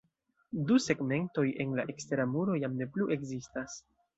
Du segmentoj de la ekstera muro jam ne plu ekzistas.